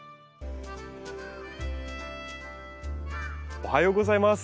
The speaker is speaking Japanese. おはようございます。